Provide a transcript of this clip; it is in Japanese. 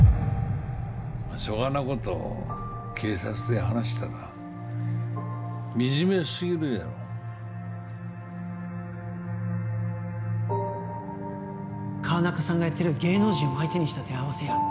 まあそがなこと警察で話したらみじめすぎるじゃろ川中さんがやってる芸能人を相手にした出会わせ屋